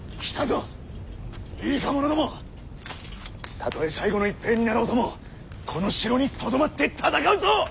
たとえ最後の一兵になろうともこの城にとどまって戦うぞ！